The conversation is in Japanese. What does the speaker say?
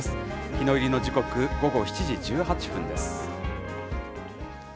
日の入りの時刻、午後７時１８分です。